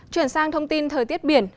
chuyển sang thông tin thời tiết biển